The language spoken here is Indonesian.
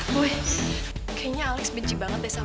boy kayaknya alex benci banget ya sama kamu